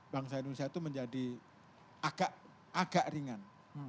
bangsa indonesia itu menjadi agak ringan